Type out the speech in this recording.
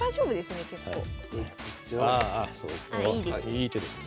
いい手ですね。